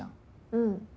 うん。